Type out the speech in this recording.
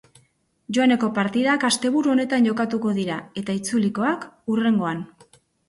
Joaneko partidak asteburu honetan jokatuko dira eta itzulikoak hurrengoan.